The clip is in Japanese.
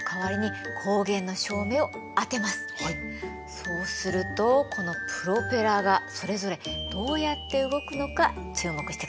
そうするとこのプロペラがそれぞれどうやって動くのか注目してください。